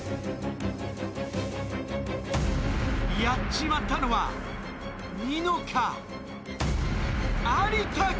やっちまったのはニノか？